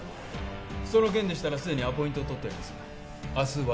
その件でしたら既にアポイントを取ってあります